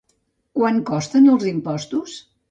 Quant costen els impostos?